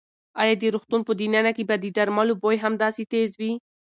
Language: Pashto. ایا د روغتون په دننه کې به د درملو بوی هم داسې تېز وي؟